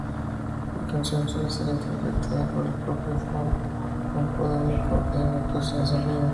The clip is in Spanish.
La canción suele ser interpretada por el propio Juan Campodónico en actuaciones en vivo.